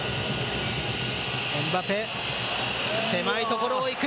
エムバペ、狭い所を行く。